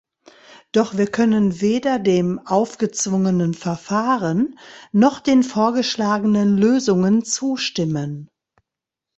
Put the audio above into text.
Doch wir können weder dem aufgezwungenen Verfahren noch den vorgeschlagenen Lösungen zustimmen.